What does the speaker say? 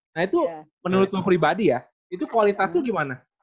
nah itu menurut lu pribadi ya itu kualitas lu gimana